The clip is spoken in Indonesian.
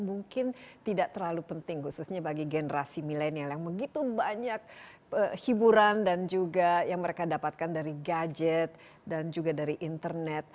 mungkin tidak terlalu penting khususnya bagi generasi milenial yang begitu banyak hiburan dan juga yang mereka dapatkan dari gadget dan juga dari internet